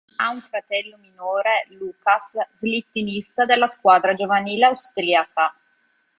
Ha un fratello minore, Lukas, slittinista della squadra giovanile austriaca.